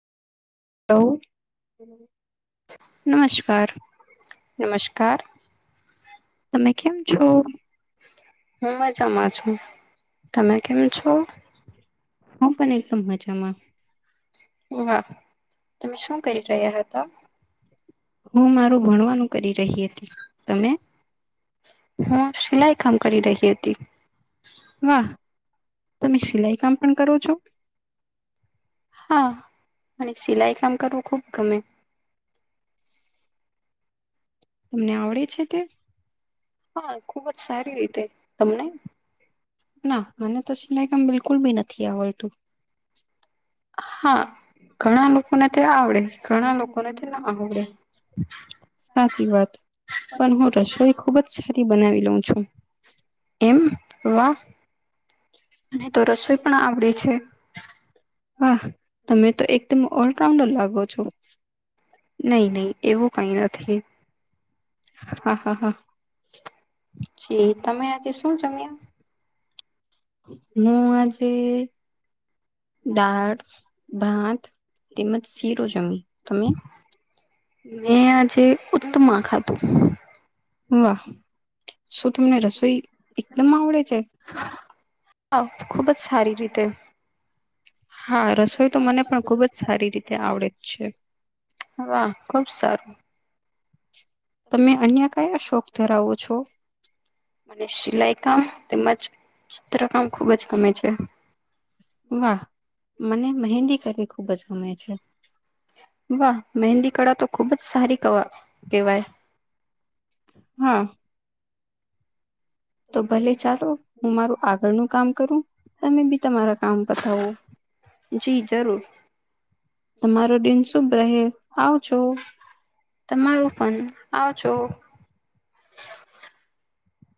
Hello. નમસ્કાર. તમે કેમ છો હું મજામાં છું તમે કેમ છો હું પણ એકદમ મજામાં હ હા શું કઈ કરે હું મારું ભણવાનું કરી રહી હું સિલાઈ કામ કરી રહી હતી તમે સિલાઈ કામ પણ કરો છો હા અને સિલાઈ કામ કરવું ખુબ ગમે તમને આવડે છે તે હા ખુબ જ સારી રીતે તમને ના મને તામ બિલુ બકુલ બી નથી આ વલતું સાચી વાત પણ હું રસોઈ ખુબ જ સારી બનાવી લઉ છું એમમાં અને તો રસોઈ પણ આવડીે છે હા તમે તો એકદ ઓલરાઉન્ડર લાગો છો નહી નહી એવું કઈ નથી હા હા હા જી તમે આજે શું જમ્યા મો આજ ડાળ ભાત તેમજ શીરો જમી તમે મેં આજે ઉત્તમા ખાધું વાહ શું તમને રસોઈ એકદમ આવડે છે ખૂબ જ સારી રીતે હા રસોઈ તો મને પણ ખુબ જ સારી રીતે આવડે જ છે તમે અન્ય કયા શોખ ધરાવો પૂ છો મને સિલાઈ કામ તેમજ ચિત્રકામ ખુબ જ ગમે છે. વાહ! મને મહેંદી કરવી ખુબ જ ગમે છે. વાહ! મહેંદી કળા તો ખુબ જ સારી કવા કેવાય. હા તો ભલે ચાલો હું મારું આગળનું કામ કરું. તમે બી તમારા જી જરૂર દિન શુભ રહે આવજો. તમારું પન આવ જો